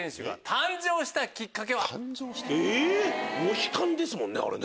⁉モヒカンですもんねあれ。